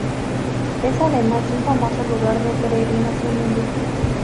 Es además un famoso lugar de peregrinación hindú.